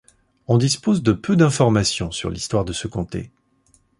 On dispose de peu d'informations sur l'histoire de ce comté.